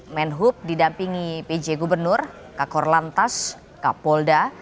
menhub didampingi pj gubernur kakor lantas kapolda